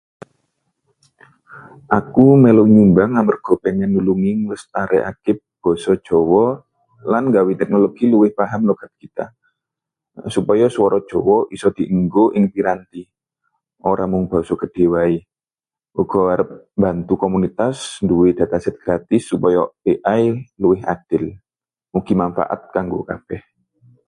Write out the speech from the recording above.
Aku melu nyumbang amarga pengin nulungi nglestarekake basa Jawa lan nggawe teknologi luwih paham logat kita. Supaya swara Jawa iso dienggo ing piranti, ora mung basa gedhe waé. Uga arep mbantu komunitas nduwé dataset gratis supaya AI luwih adil. Mugi manfaat kanggo kabeh.